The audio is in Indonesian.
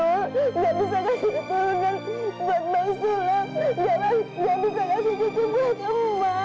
jangan jangan bukan kasih kecewa kemu mak